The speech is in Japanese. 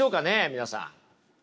皆さん。